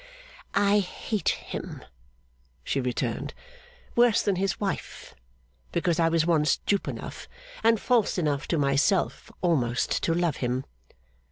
'I hate him,' she returned. 'Worse than his wife, because I was once dupe enough, and false enough to myself, almost to love him.